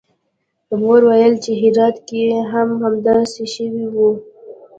مور ویل چې هرات کې هم همداسې شوي وو